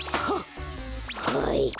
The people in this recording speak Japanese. はい！